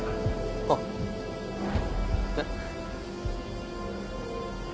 あっえっ？